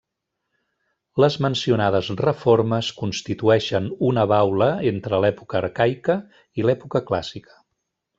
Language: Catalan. Les mencionades reformes constitueixen una baula entre l'època arcaica i l'època clàssica.